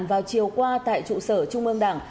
vào chiều qua tại trụ sở trung ương đảng